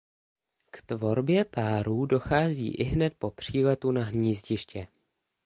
K tvorbě párů dochází ihned po příletu na hnízdiště.